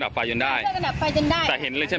พ่อบอกว่าไฟไหม้ไฟไหม้ร้านจะไก่